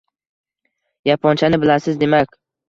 — Yaponchani bilasiz, demak?